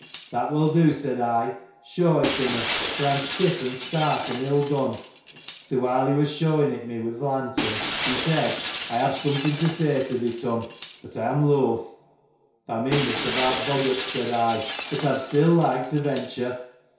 That will do said I : shew it to me, for I am stiff and stark, and ill done. So, while he was shewing it me with th' lantern, he said, I have something to say to thee Turn; but I am loth. Thou meanest about boggarts, said I ; but I am still like to venture.